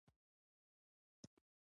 زه ماشوم غلی کوم.